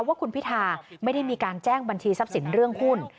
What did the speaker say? ว่าคุณพิธาไม่ได้มีการแจ้งบัญชีทรัพย์สินเรื่องหุ้น